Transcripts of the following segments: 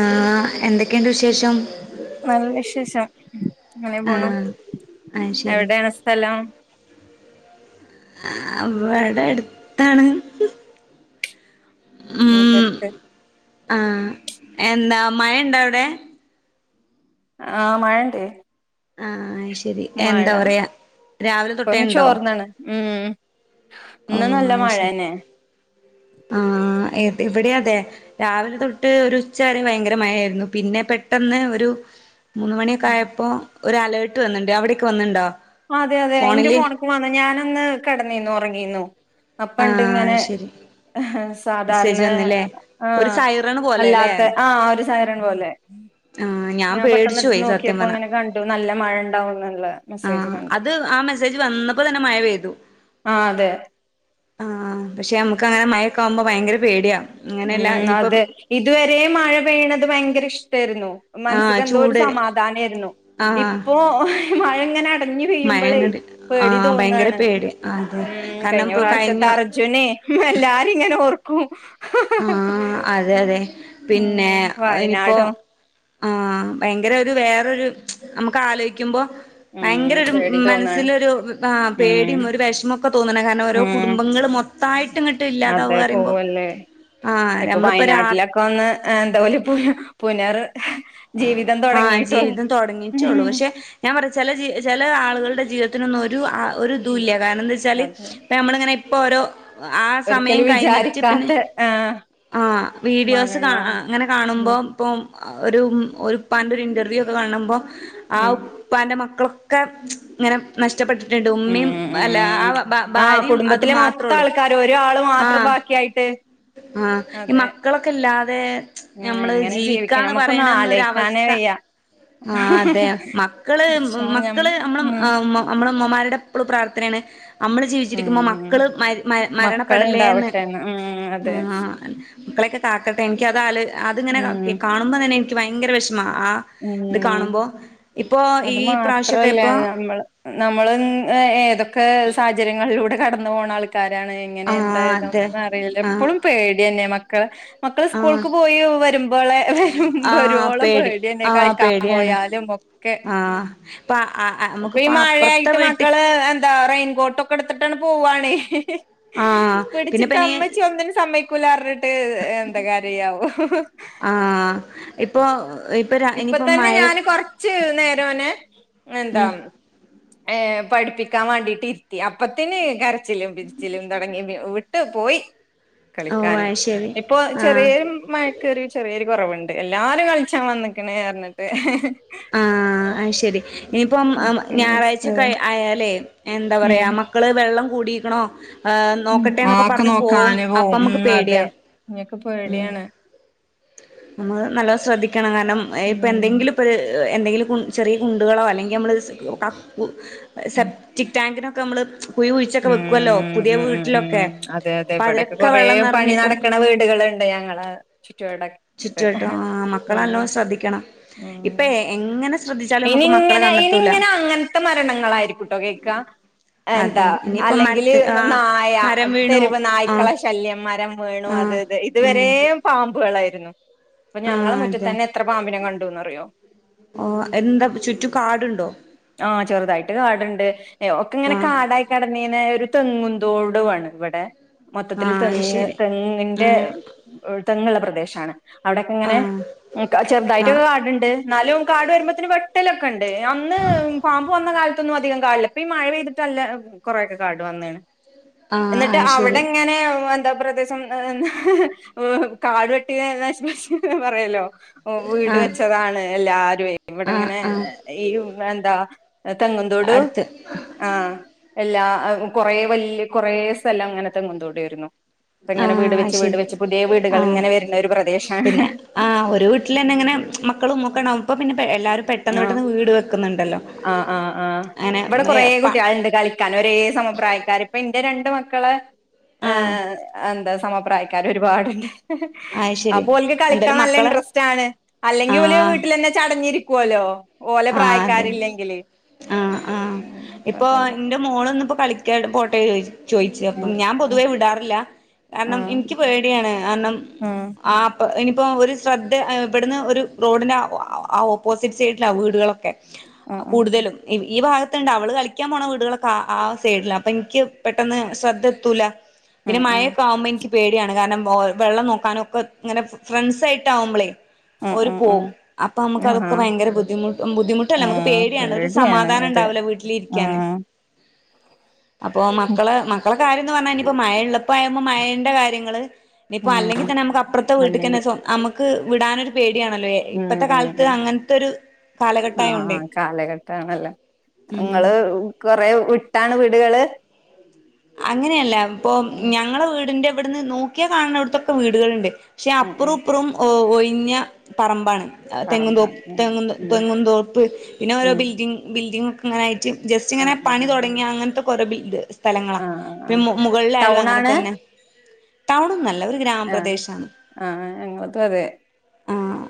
ആ എന്തൊക്കെയുണ്ട് വിശേഷം നല്ല വിശേഷം അങ്ങനെ പോണു ആഹ് ആഹ് ശരി എവിടെയാണ് സ്ഥലം ആ അവിടെ അടുത്താണ് ആ അടുത്ത ആഹ എന്താ മഴ ഇണ്ടോ അവിടെ ആ മഴണ്ടേ ആഹ ശരി മഴ എന്താ പറയാ രാവിലെ ഇപ്പൊന്ന് തൊട്ടേുണ്ടോ ചോർന്നാണ് ഉം ഓ ഇന്ന് നല്ല അ ശരി മഴന്നെ ആഹ ഇവിടെ അതെ രാവിലെ തൊട്ട് ഒരു ഉച്ചാര ഭയങ്കര മഴായിരുന്നു പിന്നെ പെട്ടെന്ന് ഒരു മൂന്ന് മണിയൊക്കെ ആയപ്പോ ഒരു അലേർട്ട് വന്നുണ്ട് അവിടെയൊക്ക് വന്നുണ്ടോ അതെ അതെ എന്റെ ഫോണക്ക് വന്ന ഞാൻ ന്ന് കടന്നന്നു ഉറങ്ങീന്നു അപ്പ ഇണ്ട് ആഹ് ഇങ്ങനെ അത് ശരി മെസ്സേജ് സാധാരണ വന്നില്ലേ ആഹ ഒരു സൈറൺ പോലെല്ലേ അല്ലാത്ത ആ ഒരു സഹരം പോലെ ആഹ് ഞാൻ പേടിച്ചു പെട്ടെന്നടുത്ത് പോയി സത്യം നോക്കിയപ്പോ പറഞ്ഞ അങ്ങനെ കണ്ടു നല്ല മഴ ഇണ്ടാവുംന്നുള്ള മെസ്സേജ് ആഹ് കണ്ടു അത് ആ മെസ്സേജ് വന്നപ്പോ തന്നെ ആ അതെ ആഹ പക്ഷെ നമുക്ക് അങ്ങനെ മഴക്കെ ആവുമ്പോ ഭയങ്കര പേടിയാണ് ഉം അതെ ഇതുവരെ മഴ പെയ്യണത് ഭയങ്കര ഇഷ തരുന്നു ആഹ് മനസ്സക്ക് എന്തോ ഒരു ചൂട് സമാധാനമായിരുന്നു ആഹ് ഇപ്പൊ മഴ ഇങ്ങനെ പറഞ്ഞു വെയ്യുമ്പോളെ മഴങ്ങട് പേടി ആഹ് ഭയങ്കര തോന്നാണ് പേടി അതെ ഉ കാരണം കഴിഞ്ഞ ഇപ്പൊ പ്രാവശ്യത്തെ കഴിഞ്ഞ അർജുനെ എല്ലും ഇങ്ങനെ ഓർ ഓ ആഹ അതെ അതെ പിന്നെ ഉം ഇനിപ്പോ വയനാടും ആഹ ഭയങ്കര വേറരു നമുക്ക് ആലോചിക്ക ഉം ഭയങ്കര പേടി തോന്നാണ് മനസ്സിലരു ഉം പേടിയും ഒരു വിഷമൊക്കെ തോന്നണം കാരണം ഓരോ ഉം കുടുംബങ്ങ മൊ താ് ഇട്ടും കിട്ടും ഇല്ലാതാവ് അതെ പറയുമ്പോ പോവല്ലേ ആഹ് ഇപ്പൊ നമ്മളിപ്പോ രാ വയനാട്ടിലൊക്കെ ഒന്ന് എന്താലും പുന പുനർ ജീവിതം ആഹ തൊടങ്ങിയിട്ടുള്ളൂ ജീവിതം തുടങ്ങിട്ടള്ളൂ ഉം പക്ഷെ ഞാൻ പറയാ ചില ജ ചില ആളുകളുടെ ജീവിത ത്തിന്ന ഒരു ഒരു ദൂ ഇല്യ കാരണം എന്താ വച്ചാല് അതെ ഇപ്പ നമ്മള ഇങ്ങനെ പു [unintelligible] ഒരിക്കലും വിചാരിക്കാത്ത ആ ആ വീഡിയോസ് കാ അങ്ങനെ ഉം കാണുമ്പോ ഇപ്പം ഒരു ഒരു പ്പാൻൊ ഒരു ഇൻറർവ്യൂ ഒക്കെ കാണുമ്പോൾ ആ ഉം ഉപ്പാന്റെ മക്കളൊക്കെ ഒക്കെ ഇങ്ങനെ നഷ ഉം ഉ ആഹ ഭാര്യയും അത് കുടുംബത്തിലെ മാത്രേ മൊത്തം ഉള്ളൂ ആൾക്കാര് ഒ ആള് മാത്രം ബാക്കിയായിട്ട് ആ ഈ അതെ മക്കളൊക്കെ ഇല്ലാതെ ഉം നമ്മള് എങ്ങനെ ജീവിക്ക ജീവിക്കാന്ന് ഞമ്മക്കൊന്നും പറയണന്നൊര ആലോയിക്കാനേ അവസ്ഥ വയ്യ ആ അതെ മക്കള് പടച്ചോൻ ഞം മക്കള് ഉം നമ്മള് ഉമ്മമാരുടെ എപ്പോഴും പ്രാർത്ഥനയാണ് നമ്മള് ജീവിച്ചിരിക്കുമ്പോ ഉം മക്കള് മര മക്കൾ മരണപ്പെടലേന്ന് ഇണ്ടാവട്ടെന്ന് ഉം അതെ ആഹ ആ മക്കളെക്ക കാക്കട്ടെ എനിക്ക് അതാല് അത്ങ്ങനെ ഉം കാണുമ്പോ തന്നെ എനിക്ക് ഭയങ്കര വിഷമം ഉം ഇപ്പോ ഈ അത് പ്രാവശ്യൊക്കെ മാത്രല്ല ഇപ്പൊ നമ്മൾ നമ്മൾ ഏതൊക്കെ സാഹചര്യങ്ങളിലൂടെ കടന്ന് [unintelligible] ആൾക്കാരാണ് എങ്ങനെ എന്താ ആഹ് അതെ ഒന്നും അറിയില്ല ആഹ് എപ്പോഴും പേടി തന്നെ [inaudible] [unintelligible] മക്കൾ ആഹ് സ്കൂൾക്ക് പോയി വരുമ്പോളെ [unintelligible] ആഹ് വരുബോള് പേടി പേടിയ തന്നെ ആഹ് കളിക്കാൻ പേടിയാണ് പോയാലും ഒക്കെ ആഹ് ഇപ്പ ഇപ്പ ഈ നമുക്കിപ്പ അപ്പുറത്തെ മഴയായിട്ട് വീട്ടി മക്കള് എന്താ ഫോട്ടോക്കെ എടുത്തിട്ടാണ് പോവാണ് [unintelligible] ആഹ് പിടിച്ചിട്ട് അമ്മച്ചി ഒന്നിനും സമ്മക്കയികൂല [unintelligible] ആഹ ഇപ്പൊ ര ഇപ്പൊ ഇനിയിപ്പം തന്നെ മഴ ഞാന് കൊറച്ച് നേരം ഓനെ എന്താ ഉം ഏ പഠിപ്പിക്കാൻ വേണ്ടിട്ട് ഇരുത്തി അപ്പത്തിന് അര കരച്ചിലും പിരിച്ചിലും തുടങ്ങി [unintelligible] പെട്ടു പോയി ഓ കളിക്കാന് അത് ശരി ഇപ്പൊ ആഹ് ചെറിയൊരു മഴക്കറി ചെറിയരു കുറവുണ്ട് എല്ലാരും കളിച്ചാ വന്നി പറഞ്ഞിട്ട് ആഅത് ശരി ഇനിയിപ്പോം മക്കളെ അവസ്ഥ ഞായറാഴ്ചക്കെ ആയാലേ എന്താ പറയാ മക്കള് വെള്ളം കുടീക്കണോ ആ ഒക്കെ നോക്കാം അപ്പൊ അനുവവും നമുക്ക് ഉം പേടിയാ അതെ ഇനൊക്കെ ഉം പേടിയാണ് നമ്മള് നല്ല ശ്രദ്ധി ക്കണം കാരണം ഇപ്പൊ ഉം എന്തെങ്കിലും ഇപ്പൊ എന്തെങ്കിലും കു ചെറിയ കുണ്ടുകളോ അല്ലെങ്കിൽ നമ്മൾ ക ക്കൂ ഉം സെബറ്റിക് ടാങ്കിനോ ക്ക നമ്മള് കുഴി കുഴിച്ചൊക്കെ വെക്കുവല്ലോ ഉം പുതിയ ഉ ഉ വീട്ടിലൊക്കെ ഉ അതെ അതെ അപ്പൊ ഇവിടൊക്കെ അതിലൊക്കെ കൊറെ വെള്ളം പണി നിറഞ്ഞിക്കും നടക്കണ വീടുകളുണ്ട് ഞങ്ങള് ചുറ്റുവാട് ചുറ്റുവട്ടോ ആ മക്കളല്ലോ ശ്രദ്ധിക്കണം ഇപ്പ ഉം എ എ ഇനി ഇങ്ങനെ ഇനി ഇങ്ങനെ അങ്ങനത്തെ മരണങ്ങളായിരിക്കുംട്ടോ കേക്ക എന്താ അതെ ഇനിയിപ്പ അല്ലെങ്കില് മരത്ത് ആ നായ മരം വീണു തെരുവ് ആ നായ്ക്കള ശല്യം മരം വേണു ആ അത് ആ ഇതുവരെ പാമ്പുകളായി പിന്നോ അപ്പൊ ആ ഞങ്ങളെ അതെ മുറ്റത്തന്നെ എത്ര പാമ്പിനെ കണ്ടുന്ന് അറിയോ ഓ എന്താ ചുറ്റും കാടുണ്ടോ ആ ചെറുതായിട്ട് കാട്ണ്ട് അയ്യോ ഒക്കെങ്ങനെ ആ കാടായി കിടന്നീനെ ഒരു തെങ്ങുന്തോടു ആണ് ഇവിടെ ആ മൊത്തത്തിൽ അത് തെങ്ങ് ശരി തെങ്ങിന്റെ തെങ്ങുള്ള പ്രദേശാണ് ആ അവിടൊക്കെങ്ങനെ ആ ആ ചെറുതായിട്ടൊക്കെ കാടുണ്ട് എന്നാലും കാട് വരുമ്പോ വെട്ടലൊക്കെ ഒണ്ട് ന്ന് പാമ്പ് വന്ന കാല അധികം കാടില്ല ഇപ്പൊ ഈ മഴ പെയ്തിട്ടല്ല കുറെയൊക്കെ കാട് വന്ന്ണ് ആ എന്നിട്ട് അത് അവിടെ ശരി എങ്ങനെ എന്താ കാടുവെട്ടിനശിപ്പിച്ചുന്ന് പറയല്ലോ ഓ വീട് ആ വെച്ചതാണ് എല്ലാരുയെ ആ ഇവിടെങ്ങനെ ആ ഈ എന്താ തെങ്ങന്തോടു അടുത്ത് ആഹ് എല്ലാ കുറേ വലിയ സ്ഥലം അങ്ങനെ തെങ്ങുംതൊടിയാരുന്നു ആ ശരി ആ ഇങ്ങനെ വരുന്ന ഒരു പ്രദേശാണ് പിന്നെ ആ ഒരു വീട്ടിൽ തന്നെ ഇങ്ങനെ മക്കളും മൊക്കെണ്ടാവും ഇപ്പ പിന്നെ എല്ലാവര അ ആ ആ ആ ഇവിടെ അങ്ങനെ കുറേ പ കുട്ടികൾ ഉണ്ട് കളിക്കാൻ ഒരേ സമപ്രായക്കാർ ഇപ്പൊ ഇന്റെ രണ്ട് മക്കളെ ആ ആഹ് അന്താ സമപ്രായക്കാര് ഒരുപാടുണ്ട് അത് ശരി അപ്പോ ഓല്ക് കളിക്കാൻ എന്തായാലും നല്ല മക്കളെ ഇൻട്രസ്റ്റ് ആണ് അല്ലെങ്കിൽ ആ ഓല് വീട്ടിലന്നെ ചടഞ്ഞിരിക് പോവുലോ ആ അതെ ആഹ് ആഹ് ഇപ്പ ഇപ്പൊ അതല്ല എന്റെ മോളെ [unintelligible] കളിക്കായിട്ട് പോട്ടെന്ന് ചോദിച്ചു ചോയിച്ചു അപ്പം ആഹ് ഞാൻ പൊതുവേ വിടാറില്ല കാരണം ആഹ് എനിക്ക് പേടിയാണ് കാരണം ആഹ് ആപ്പ് ഇനി ഇപ്പൊ ഒരു ശ്രദ്ധ ഇവിടുന്ന് ഒരു റോഡിന്റെ ആഹ്ഓഹ് ഓപ്പോസിറ്റ് സൈഡ് വീടുകള ഓക്കേ ആഹ് കൂടുതലും ഈ ഭാഗത്തുണ്ട് അവള് കളിക്കാൻ പോണ വീടുകളൊക്കെ ആ സൈഡിലാ അപ്പൊ എനിക്ക് പെട്ടെന്ന് ശ്രദ്ധ എത്തൂല പിന്നെ മഴയൊക്കെ ആവുമ്പോ എനിക്ക് പേടിയാണ് കാരണം വെള്ളം നോക്കാനൊക്കെ ഇങ്ങനെ ഫ്രണ്ട്സ് ആയിട്ട് ആവുമ്പോളേ ആഹ് ആഹ് ഉം ഉം ഉം ഒരു ഉം ഉം പോവും അപ്പൊ നമുക്ക് ആഹാ അതൊക്കെ ഭയങ്കര ബുദ്ധിമ് ബുദ്ധിമുട്ടല്ലേ നമുക്ക് ഉം പേടിയാണ് ഒരു സമാധാനം അത് ഉണ്ടാവില്ല വീട്ടിലിരിക്കാന് ഉം അപ്പൊ മക്കള് മക്കൾ കാര്യം എന്ന് പറഞ്ഞാനിയിപ്പോ മയാ ഉള്ളപ്പം ആകുമ്പോ മയെന്റെ കാര്യങ്ങള് ഇനിപ്പോ അല്ലെങ്കിൽ ഉം തന്നെ നമുക്ക് അപ്പുറത്തെ വീട്ടിക്ക്‌ തന്നെ അല്ലെങ്കിൽ സൊ നമുക്ക് [inaudible] വിടാനൊരു പേടിയാണല്ലോ ഉം ഇപ്പത്തെ ഉം കാലത്ത് ഉം അങ്ങനത്തെ ഒരു ആഹ് കാലഘട്ടായോണ്ടേ കാലഘട്ടണല്ലോ ഉം നിങ്ങള് കൊറെ വിട്ടാണ് വീടുകള് അങ്ങനെയല്ല ഇപ്പോ ഉം ഞങ്ങള് വീടിന്റെ ഇവിടുന്ന് നോക്കിയാ കാണുന്നോടോത്തൊക്കെ വീടുകളുണ്ട് പക്ഷെ ഉം അപ്പറം ഉം ഇപ്പറും ഓയി പിന്നെ പറമ്പാണ് ആ തെങ്ങുംന്തോപ്പ് പറമ്പാണ് ഉം തെങ്ങ് ഉം തെങ്ങുംന്തോപ്പ് പിന്നെ ഓരോ ഉം ബിൽഡിങ്ങ് ബിൽഡിങ് ണ്ണായി ജസ്റ്റ് ഇങ്ങനെ ആഹ് പണി തുടങ്ങിയാ ആഹ് അങ്ങനത്തെ കുറെ ബിൽഡിംഗ്‌ ഉണ്ട് സ്ഥലം ഇപ്പ ആഹ് മുകളിലായാലും അങ്ങനെ തന്നെ ടൗൺനൊന്നുമല്ല ആണോ ആഹ് ആഹ് ഇങ്ങോട്ടും അതെ ആഹ്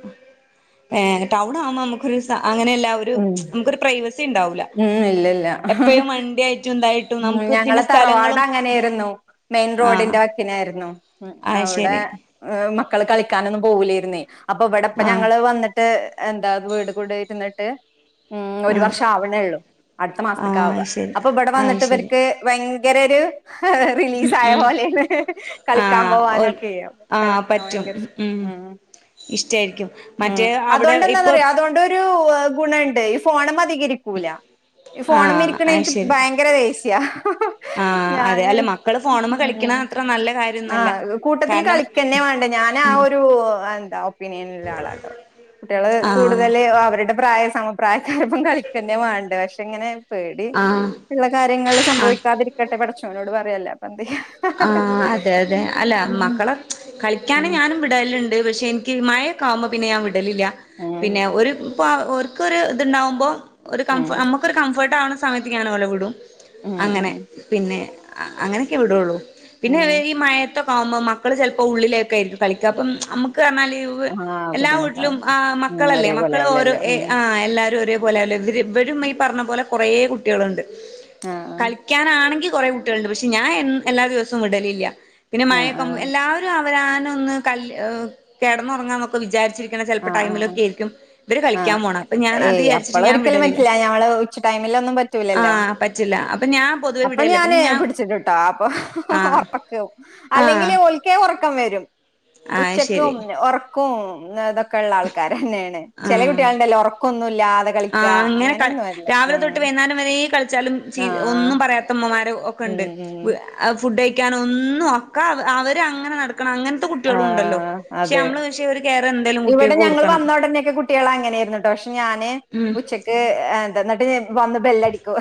ഏഹ് ടൗൺ നമ്മോക്കൊരു സ അങ്ങനെല്ലാവരും ഉം മ്ച് നമുക്കൊരു പ്രൈവസി ണ്ടാവുല്ല ഉം ഇല്ല ഇല്ല എപ്പഴും വണ്ടി ആയിട്ടും ഉണ്ടായി നമക്ക് പിന്നെ സ്ഥലങ്ങളും അങ്ങനയിരുന്നു മെയിൻ ആഹ് റോഡിന്റെ വക്കിനായിരുന്നു ഉം അയ് അവിടെ ശരി ഏഹ് മക്കള് കളിക്കാനൊന്നും പോകൂല്ലയിരുന്നേ അപ്പൊ ഇവിടിപ്പ ആഹ് ഞങ്ങൾ വന്നിട്ട് എന്താ വീട് കൂടെയിരുന്നിട്ട് ഉം ഒരു ആഹ് വർഷം ആവണേള്ളൂ അടുത്ത മാസത്തക്ക ആഹ് ആവുക അത് ശരി അപ്പൊ ഇവിടെ വന്നി ആഹ് ഇത്‌ ശരി ഇവർക്ക് ഭയ കരോരു ഉം റിലീസ് ആയ ഉം പോലാണ് കളിക്കാൻ ആഹ് ഓ പോവാനൊക്കെ ആഹ് കളിക്കാൻ പറ്റും ഭയങ്കര ഇഷ് ഉം ഇഷ്ടായിരിക്കും ഉം മറ്റേ അവിടെ ഇപ്പം അതൊണ്ടെന്താന്നറിയ അതുകൊണ്ടൊരു ഗുണുണ്ട് ഫോണ് മ ഇരിക്കുല ഈ ഫോണമേ ആഹ് ഇരിക്കണ അത് എനിക്ക് ശരി ഭയങ്കര ദേ സ്യ ആഹ് അതെ ഞാന് അല്ല മക്കള് ഫോണുമ്മേ കളിക്കണ ഉം അത്ര നല്ല കാര്യൊന്നല്ല ആഹ് കൂട്ടത്തിൽ കാരണം കളിക്കന്നെ വേണ്ട ഞാൻ ആ ഒരു എന്താ ഒപ്പീനിയൻ ഉള്ള ആളാട്ടോ കുട്ടികള് ആഹ് കൂടുതൽ അവരുടെ പ്രായ സമപ്രായക്കാരോപ്പം കളിക്ക തന്നെ വേണ്ടെ പക്ഷെ ഇങ്ങനെ പേടി ആഹ് ഉള്ള കാര്യങ്ങൾ ആഹ് സംഭവിക്കാതിരിക്കട്ടെ പടച്ചോനോട് പറയെല്ലാം എന്ത്യയാ ആഹ് അതെ അതെ അല്ല മക്കളെ കളി ക്കാന് ഉം ഞാനും വിടല്ല് ഉണ്ട് പക്ഷേ എനിക്ക് മഴൊക്കാവുമ്പോ പിന്നെ ഞാൻ വി ടലില്ല ഉം പിന്നെ ഒരു ഇപ്പ ഓർക്കൊരു ഇത്ണ്ടാവുമ്പോ ഒരു കംഫ് ഉം നമുക്കൊരു കംഫർട്ട് ആണ് സമയത്തിക്ക് അനോല വിടും ഉം അങ്ങനെ ഉം പിന്നെ ആ അങ്ങനെയൊക്കെ വിടുള്ളൂ പിന്നെ ഉം ഈ മയ ക്കെ ആവുമ്പോ മക്കള് ചിലപ്പോൾ ഉള്ളിലൊക്കെയിരിക്കും കളിക്ക പ്പ നമുക്ക് പറഞ്ഞാൽ ആഹ് എല്ലാ വീട്ടിലും ബുദ്ധിമുട്ടാവും ആഹ് ഉം മക്കളല്ലേ ഒരേപോലെ മക്കൾ ഓരോ ആവൂലല്ലോ ഏഹ് ഉം ആഹ് എല്ലാരും ഒരേ പോലെ ആവില്ലേ ഇവർ ഇവരും ഈ പറഞ്ഞ പോലെ കുറേ കുട്ടികള്ണ്ട് ആഹ് കളിക്കാനാണെങ്കിൽ കുറെ കുട്ടികളുണ്ട് പക്ഷെ ഞാൻ എല്ലാ ദിവസവും വിടലില്ല പിന്നെ ആഹ് മഴൊക്ക ആഹ് എല്ലാവരും രാനൊന്ന് കിടന്നുറങ്ങാന്നൊക്കെ വിചാരിച്ചി ചെലപ്പോ ആഹ് ആഹ് ആഹ് ടൈമിലൊക്കെ ആയിരിക്കും ഇവര് ആഹ് കളിക്കാൻ പോണം അപ്പൊ ഞാൻ അത് ഏയ് വിചാരിച്ചട്ട് ഞാൻ അപ്പളൊരിക്കലും വിടലില്ല പറ്റില്ല ഞമ്മള് ഉച്ച ടൈമിലൊന്നും ആ പറ്റൂലല്ലോ പറ്റില്ല അപ്പൊ ഞാൻ പൊതുവേ വിടലില്ല പിന്നെ ഞാൻ ആഹ് ഉറക്കം ഒകെ ആവും അല്ലെങ്കിൽ ആഹ് ഓല്ക്കെ ർക്കം വരും ആഹ് ഉച്ചക്ക് ശരി ഒറ കും നത ള്ള ആൾക്കാരന്നെയാണ് ചില കുട്ട്യളിണ്ടല്ലോ ഉറക്കൊന്നു ഉല്ല ആ ഇങ്ങനെ രാവിലെ തൊട്ട് വേയ്ന്നാലം വരേ കളിച്ചാലും ചീ ആ ഒന്നും പറയാത്തമ്മമാരോ ഒക്കെ ഉം ഉണ്ട് ഉം. [inaudible] ഫുഡ് കഴിക്കാന ഒന്നും ഒക്കെ അവര് അങ്ങനെ നട ആ അതെ പക്ഷെ ഒരു കെയർ എന്തായാലും ഇവിടെ കുട്ടികൾക്ക് ഞങ്ങൾ കൊടുക്കണം വന്നോടനൊക്കെ കുട്ടികൾ അങ്ങനൊയിരുന്നു ട്ടോ ഞാന് ഉം ഉച്ചക്ക് എന്തന്ന്ട്ട് വന്ന് ബെല്ലടിക്കു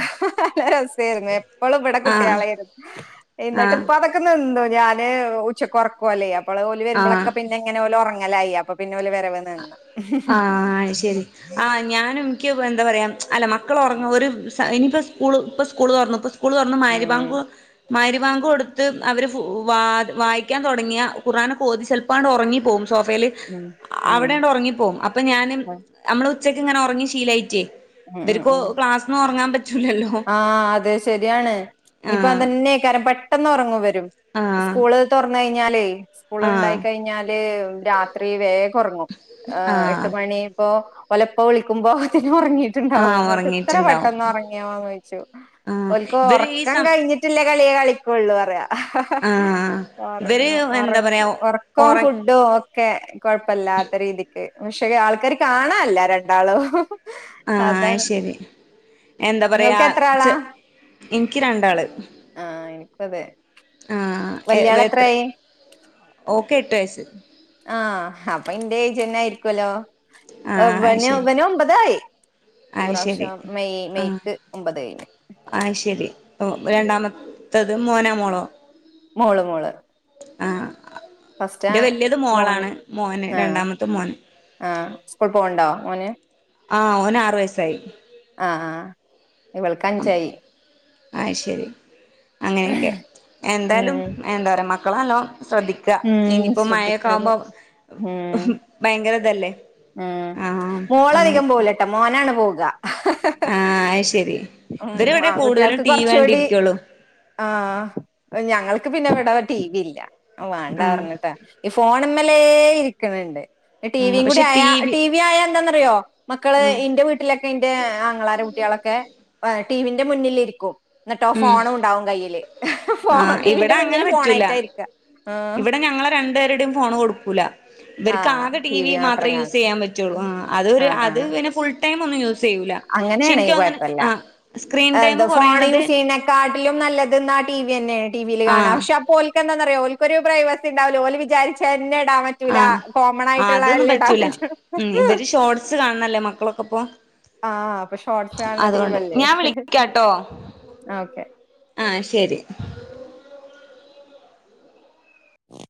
നല്ല രസായിയിരുന്നു. എപ്പോളും ഇവിടെ ആഹ് കുട്ടികളേയിരുന്നു എന്നിട്ട് ആഹ് ഇപ്പൊ അതൊക്കെ നിന്ന് ഞാന് ഉച്ചക്കൊറക്കുവല്ലേ ഇപ്പോ പിന്നെ ഓല് വരുമ്പളൊക്ക ആഹ് പിന്നങ്ങന ഓലു ഉറങ്ങി ഉറങ്ങലായി അപ്പെപിന്ന ആഹ് ശെരി ആഹ് ഞാനും ഇൻക്ക് എന്താ പറയാ അല്ല മക്കൾ ഒറങ്ങ് ഒരു ഇനിയിപ്പോ സ്കൂള് ഇപ്പ സ്കൂളൊറ്ന്നു ഇപ്പ സ്കൂൾ തൊറ് ന്നു ഉം മഗ്രിബാങ്ക മഹ്രിബാങ്ക് കൊടുത്ത് അവർ വാ വായിക്കാൻ തുടങ്ങിയ ഖർആന കോതിചെല്പണ്ട് ഉറങ്ങിപ്പോകും സോഫേല് ഉം ഉം അവിടെണ്ട് ഉറങ്ങിപ്പോകും അപ്പോ ഉം ഞാനുനമ്മളു ഉച്ചക്ക്ങ്ങെനെ ഉറങ്ങി ശീലയിട്ട് ഉം ഉം ഇവരിക്കൊ ഉം ക്ലാസ്ന്ന് ഒറങ്ങാൻ പറ്റ ആഹ് അതെ ശരിയാണ് ഇനിയിപ്പോ ആഹ് അതന്നെക്കാരം പണ് പെട്ടന്ന് ഉറങ്ങും ഇവ ആഹ് സ്‌കൂൾ തൊറന്ന് കഴിഞ്ഞ ഞാലേ സ്കൂൾ ഉണ്ടായി ആഹ് കഴിഞ്ഞാല് രാത്രി വേഗം ഒറങ്ങും എട്ട് ആഹ് മണിപ്പോ ഓലപ്പ വിളിക്കുമ്പോ ആഹ് ഒറങ്ങീട്ടുണ്ടാവും എത്ര ഉറങ്ങിയിട്ടുണ്ടാവും പെട്ടെന്ന് ഒറങ്ങ്യൊയ്ക്കു ആഹ് ഒല് ഇവര് ഈ കൊറ്ക്കാൻ സം കഴിഞ്ഞിട്ടില്ല കളിയെ കളികൊള്ളൂ റയാ ഹ് ഹ് ഹ് ആഹ് ഇവര് എന്താ ഒറങ്ങും പറയാ ഉറക്കം ഒറ ഫുഡും ക്കെ കുഴപ്പില്ലാത്ത രീതിക്ക് പക്ഷേ ആൾക്കാർ കാണാല്ല രണ്ടാളും ആ അതാണ് ശരി എന്താ പറയാ നിങ്ങൾക്ക് എത്ര ആളാ ച ഇൻക്ക് രണ്ടാൾ ആഹ് എനിക്കും അതെ ആഹ് വല്യാള് എത്രായി [inaudible] എട്ട് വയസ്സ് ആ അപ്പൊ എന്റെ ഏജന്നെ ആയിരിക്കൊല്ലൊ ആഹ് അത് അവന് ശരി അവന് ഒമ്പതായി ഈ അത് ശരി പ്രാവശ്യം മെയ് ആഹ് മെയ്ക്ക് ഒമ്പതായി ത്തത് മോനൊമോളോ മോള് മോള് ആഹ് ഫസ്റ്റ് അ ഇന്റെ വല്യത് മോൻ മോളാണ് മോന് ആഹ് രണ്ടാമത്തെ മോൻ ആഹ് സ്കൂൾ പോവ്ണ്ടോ മോൻ ആ ഓന് ആറു വയസ്സായി ആ ഇവൾക്ക് അഞ്ചായി ആ ശരി അങ്ങനെയൊക്കെ എന്തായാലും ഉം [inaudible] [inaudible] ശ്രദ്ധിക്കുക ഉം ഇനിയിപ്പോ മഴയൊക്കെ ശ്രദ്ധിക്കാതെ ആകുമ്പോ ഉം ഭയങ്കര ഇതല്ലേ ഉം ആ അങ്ങനെയെ ഗ [unintelligible] ഇവര് ഉം ഇവിടെ കൂടുതലും ആൺകുട്ടികൾക്ക് ടി വി കുറച്ചുകൂടി കണ്ടിരിക്കുള്ളൂ ആ ഞങ്ങൾ പിന്നെ ഇവിടെ ടി വി ഇല്ല വേണ്ടാ ആഹ് പറഞ്ഞിട്ടാ ഈ ഫോണമ്മേലേ ഇരിക്കണണ്ട് ആഹ് ടിവിയും കൂടി പക്ഷെ ടി വി ആയാ എന്താന്നറിയോ മക്കള് ഇന്റെ വീട്ടിലൊക്കെ ഇന്റെ ആങ്ങളാര കുട്ടികളൊക്കെ- ടീ വി ന്റെ മുന്നിലിരിക്കും എന്നിട്ടോ ഉം ഫോണ് ഉണ്ടാവും കയ്യില് ഫോൺ ആഹ് ടിവിന്റെ ഇവിടെ അങ്ങനെ മുന്നിൽ പറ്റൂല ഫോണായിട്ടാ ഇരിക്ക ആഹ് ഇവിടെ ഞങ്ങളെ രണ്ട് പേരുടെയും ഫോണ് കൊടുക്കൂല്ല ഇവർക്ക് ആഹ് ആകെ ടി വി മാത്രം മാത്രമേ യൂസ് കാണും ചെയ്യാൻ പറ്റുള്ളൂ ആ അത് അത് പിന്നെ ഫുൾ ഫുൾ ടൈമ് ഒന്നും യൂസ് ചെയ്യൂല പക്ഷെ അങ്ങനെയാണേ എനിക്ക് തോന്നണ് കുഴപ്പല്ല ആഹ് സ്ക്രീൻ ടൈം എന്താ ഫോൺ കുറയണത് യൂസ് ചെയ്യതിനേക്കാട്ടിലും നല്ലത് ആഹ് ടി വി തന്നെ ടിവിൽ കാണാം ആഹ് പക്ഷെ അപ്പോ ഓർക്ക് എന്താന്ന് അറിയോ ഒരു പഉണ്ടാവൂല്ലാ ഓല് വിചാരിച്ചെന്നെ ആഹ് ആ അതൊന്നും ഇടാൻ പറ്റൂല പറ്റുള്ളൂ ഉം ഇവര് ഷോർട്സ് കാണണല്ലേ മക്കളൊക്കെ ളപ്പൊ ആഹ് അപ്പൊ ഷോർട്സ് കാണണ ടീം അല്ലേ ഞാൻ വിളിക്കാട്ടോ ഓക്കെ ആഹ് ശരി